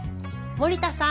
森田さん